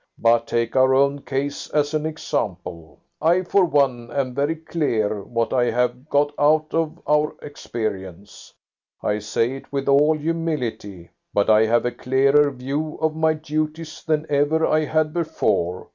But take our own case as an example. I, for one, am very clear what I have got out of our experience. I say it with all humility, but I have a clearer view of my duties than ever I had before.